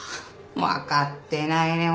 分かってないね